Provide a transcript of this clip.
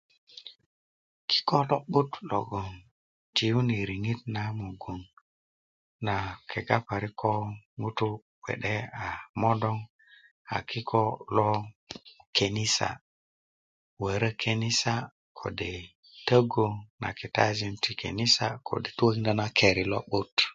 kiko lo'but logon tiyuni riŋit na mugun na kega parik ko ŋutu' gbe'de a modoŋ a kiko lo kenisa wörö kenisa kode' tögu na kitajin ti kenisa kode tukokindö na keri lo'but